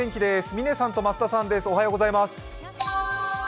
嶺さんと増田さんです。